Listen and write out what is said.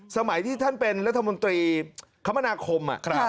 สมัยที่ท่านเป็นรัฐมนตรีคมนาคม